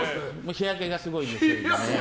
日焼けがすごいんです。